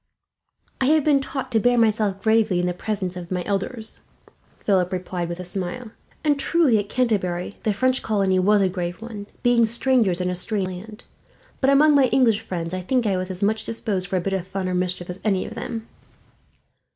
"I have been taught to bear myself gravely, in the presence of my elders," Philip replied with a smile; "and truly at Canterbury the French colony was a grave one, being strangers in a strange land; but among my English friends, I think I was as much disposed for a bit of fun or mischief as any of them."